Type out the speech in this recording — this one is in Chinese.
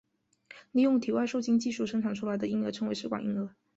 利用体外受精技术生产出来的婴儿称为试管婴儿。